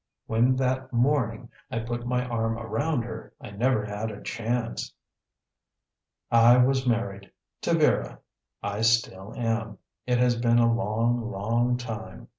When, that morning, I put my arm around her, I never had a chance. I was married. To Vera. I still am. It has been a long, long time.